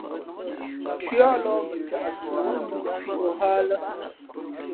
Nthʉǎ lōh mα caʼsi , nά mōō fī ǒ hά a lά.